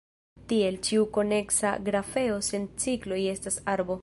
Tiel, ĉiu koneksa grafeo sen cikloj estas arbo.